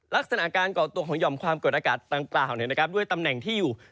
ลักษณะการเกาะตัวของยอมความเกิดอากาศต่างด้วยตำแหน่งที่อยู่